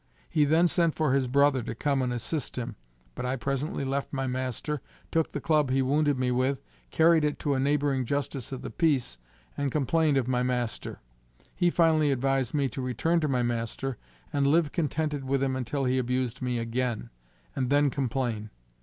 He then sent for his brother to come and assist him, but I presently left my master, took the club he wounded me with, carried it to a neighboring Justice of the Peace, and complained of my master. He finally advised me to return to my master, and live contented with him until he abused me again, and then complain.